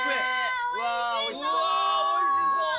うわー、おいしそう。